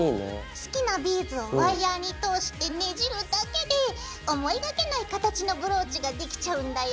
好きなビーズをワイヤーに通してねじるだけで思いがけない形のブローチができちゃうんだよ！